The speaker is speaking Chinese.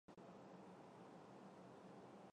关心妍